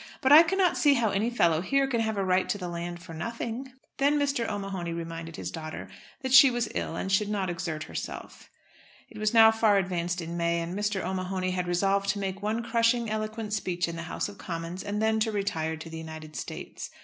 But I cannot see how any fellow here can have a right to the land for nothing." Then Mr. O'Mahony reminded his daughter that she was ill and should not exert herself. It was now far advanced in May, and Mr. O'Mahony had resolved to make one crushing eloquent speech in the House of Commons and then to retire to the United States.